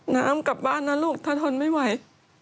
กลับบ้านนะลูกถ้าทนไม่ไหว